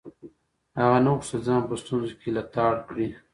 هغه نه غوښتل ځان په ستونزو کې لتاړ کړي.